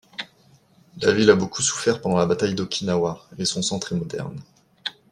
La ville a beaucoup souffert pendant la bataille d'Okinawa et son centre est moderne.